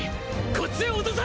こっちへ落とせ！